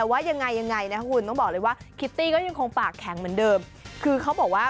เออเขารู้สึกว่าอยู่ด้วยกันแล้วมีความสุข